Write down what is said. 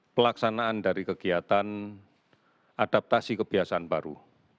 pelaksanaan dari kegiatan adaptasi kebiasaan baru